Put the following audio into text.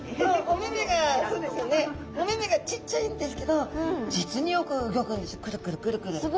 お目々がちっちゃいんですけど実によくうギョくんです